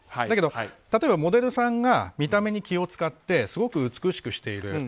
だけど例えばモデルさんが見た目に気を使ってすごく美しくしている。